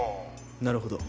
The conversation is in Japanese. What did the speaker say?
なるほど。